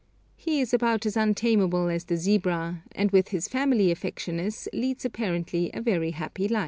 He is about as untamable as the zebra, and with his family affectionateness leads apparently a very happy life.